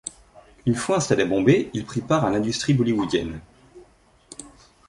Une fois installé à Bombay, il prit part à l'industrie bollywoodienne.